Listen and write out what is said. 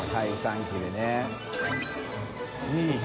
２。